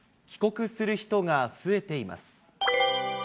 帰国する人が増えています。